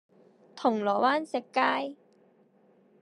銅鑼灣食街